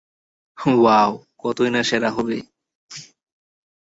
Wow, কতই না সেরা হবে?